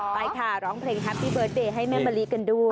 ไปค่ะร้องเพลงแฮปปี้เบิร์ตเดย์ให้แม่มะลิกันด้วย